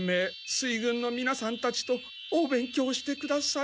水軍のみなさんたちとお勉強してください。